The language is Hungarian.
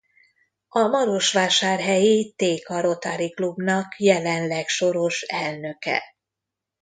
A marosvásárhelyi Téka Rotary Klubnak jelenleg soros elnöke.